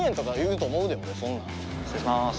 失礼します。